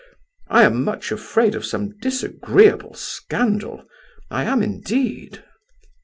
I am much afraid of some disagreeable scandal, I am indeed!"